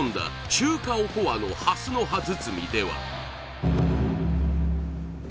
中華おこわの蓮の葉包！